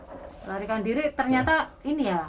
melarikan diri ternyata ini ya